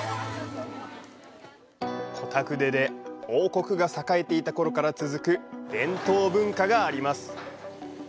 コタグデで王国が栄えていたころから続く伝統文化があります。